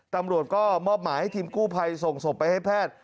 ตำรวจก็มอบหมายให้ทีมกู้ภัยส่งศพไปให้แพทย์